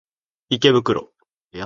池袋